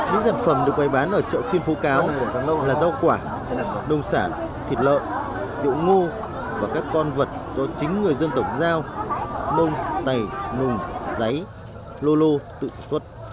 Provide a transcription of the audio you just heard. những sản phẩm được bán ở chợ phiên phố cáo là rau quả đồng sản thịt lợn rượu ngô và các con vật do chính người dân tổng giao nông tày nùng giấy lô lô tự xuất